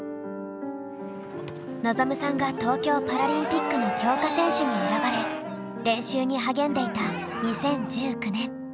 望さんが東京パラリンピックの強化選手に選ばれ練習に励んでいた２０１９年ももこさんが妊娠。